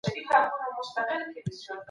په بديو کي د نجلۍ ورکول هم د شريعت مخالفت دی